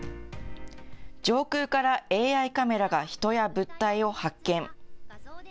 上空からＡＩカメラが人や物体を発見。